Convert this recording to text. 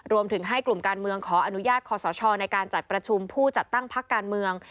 รวมถึงให้กลุ่มการเมืองขออนุญาตคอสชในการจัดประชุมผู้จัดตั้งพักการเมือง